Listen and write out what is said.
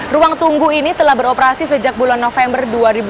ruang tunggu ini telah beroperasi sejak bulan november dua ribu dua puluh